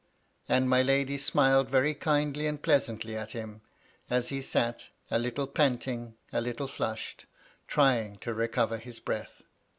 And my lady smiled very kindly and pleasantly at him, as he sat, a little panting, a little flushed, trying to recover his breath.